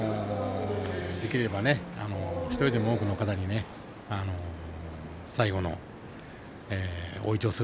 できればね１人でも多くの方に最後の大いちょう